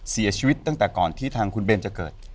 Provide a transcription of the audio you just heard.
เสียชีวิตตั้งแต่ก่อนที่ทางคุณเบนจะเกิด